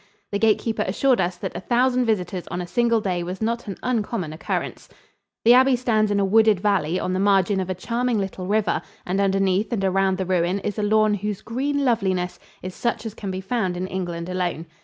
The gatekeeper assured us that a thousand visitors on a single day was not an uncommon occurrence. The abbey stands in a wooded valley on the margin of a charming little river, and underneath and around the ruin is a lawn whose green loveliness is such as can be found in England alone.